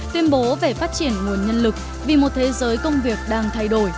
tuyên bố về phát triển nguồn nhân lực vì một thế giới công việc đang thay đổi